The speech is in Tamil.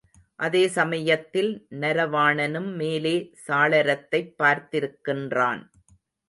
அதே சமயத்தில் நரவாணனும் மேலே சாளரத்தைப் பார்த்திருக்கின்றான்.